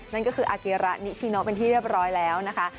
นั่นก็คืออาเกียระนิชิโนเป็นที่เรียบร้อยแล้วนะคะ